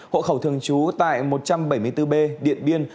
hộ khẩu thường trú tại một trăm bảy mươi bốn b điện biên